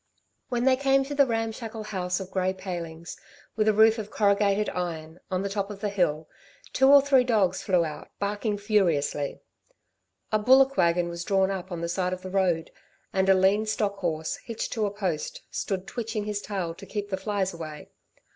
When they came to the ramshackle house of grey palings, with a roof of corrugated iron, on the top of the hill, two or three dogs flew out, barking furiously. A bullock wagon was drawn up on the side of the road, and a lean stock horse, hitched to a post, stood twitching his tail to keep the flies away.